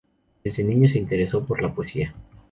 Desde niño se interesó por la poesía.